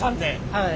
はい。